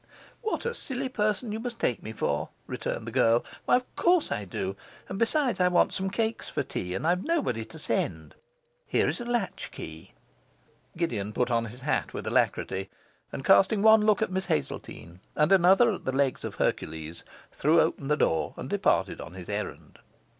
'What a silly person you must take me for!' returned the girl. 'Why, of course I do; and, besides, I want some cakes for tea, and I've nobody to send. Here is the latchkey.' Gideon put on his hat with alacrity, and casting one look at Miss Hazeltine, and another at the legs of Hercules, threw open the door and departed on his errand.